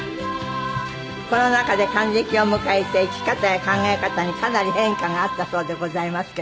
コロナ禍で還暦を迎えて生き方や考え方にかなり変化があったそうでございますけど。